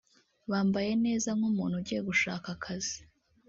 bambaye neza nk’umuntu ugiye gushaka akazi